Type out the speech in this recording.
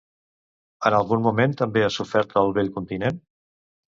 En algun moment també ha sofert el Vell Continent?